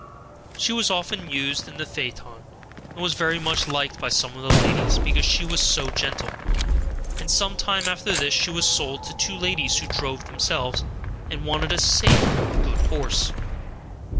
She was often used in the phaeton, and was very much liked by some of the ladies, because she was so gentle; and some time after this she was sold to two ladies who drove themselves, and wanted a safe, good horse.